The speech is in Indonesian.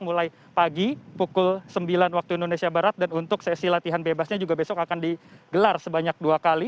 mulai pagi pukul sembilan waktu indonesia barat dan untuk sesi latihan bebasnya juga besok akan digelar sebanyak dua kali